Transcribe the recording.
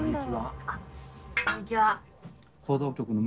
あっこんにちは。